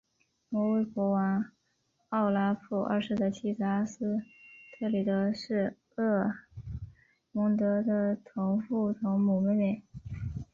挪威国王奥拉夫二世的妻子阿斯特里德是厄蒙德的同父同母妹妹。